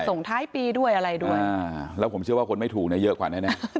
ส่งท้ายปีด้วยอะไรด้วยแล้วผมเชื่อว่าคนไม่ถูกเนี่ยเยอะกว่าแน่